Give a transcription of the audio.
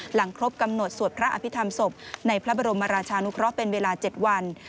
หลังครบกำหนดสวดพระอภิษฐรรมศพในพระบรมราชานุเคราะห์เป็นเวลา๗วัน